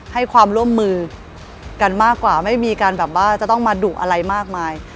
ให้ความร่วมมือกันมากกว่าไม่มีการแบบว่าจะต้องมาดุอะไรมากมาย